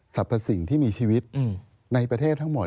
พสิ่งที่มีชีวิตในประเทศทั้งหมด